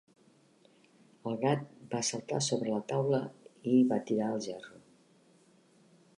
El gat va saltar sobre la taula i va tirar el gerro.